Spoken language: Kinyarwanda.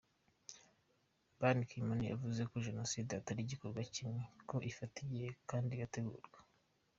Ban Ki moon, yavuze ko jenoside atari igikorwa kimwe, ko ifata igihe kandi igategurwa.